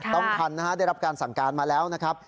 ต้องทันนะฮะได้รับการสั่งการมาแล้วนะครับ